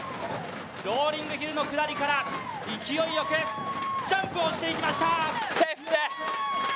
ローリングヒルの下りから勢いよくジャンプをしていきました。